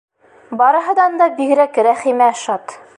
Барыһынан да бигерәк Рәхимә шат.